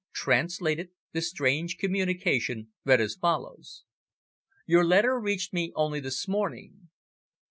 Translated, the strange communication read as follows: "Your letter reached me only this morning.